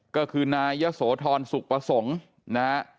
ก็คือนายศโทรณ์สุขประสงค์นะ